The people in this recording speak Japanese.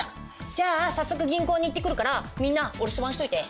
じゃあ早速銀行に行ってくるからみんなお留守番しといて。